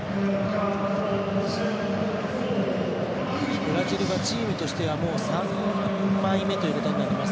ブラジルはチームとしては３枚目ということになります。